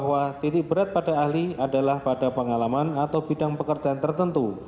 dan tidak berat pada ahli adalah pada pengalaman atau bidang pekerjaan tertentu